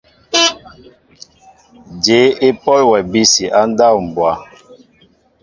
Jyéé e pɔl wɛ abisi ndáw mbwa ?